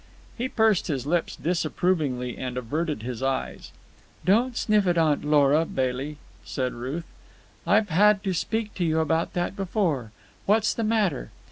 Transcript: He pursed his lips disapprovingly and averted his eyes. "Don't sniff at Aunt Lora, Bailey," said Ruth. "I've had to speak to you about that before. What's the matter?